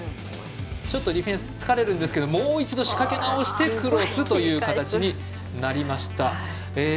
ちょっとディフェンスにつかれるんですけどもう一度、仕掛け直してクロスという形になりました。